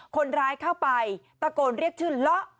คนร้ายเข้าไปตะโกนเรียกชื่อเลาะ